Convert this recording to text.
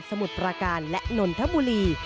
มุดประการและนนทบุรี